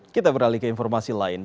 kita beralih ke informasi lain